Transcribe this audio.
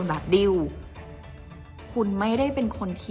จนดิวไม่แน่ใจว่าความรักที่ดิวได้รักมันคืออะไร